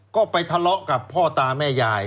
ก็ไปทะเลาะกับพ่อตาแม่ยาย